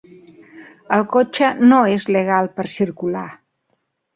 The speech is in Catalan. El cotxe no és legal per circular.